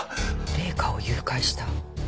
「麗華を誘拐した」。